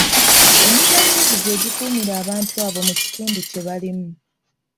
Emizannyo egyo gye gikuumira abantu abo mu kitundu kye balimu.